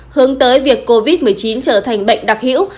hướng tới việc covid một mươi chín trở thành bệnh đặc hữu